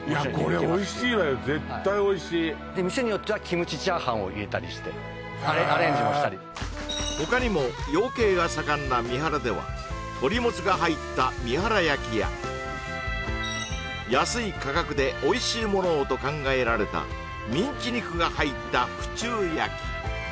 これおいしいわよを入れたりしてアレンジもしたり他にも養鶏が盛んな三原では鳥もつが入った三原焼きや安い価格でおいしいものをと考えられたミンチ肉が入った府中焼き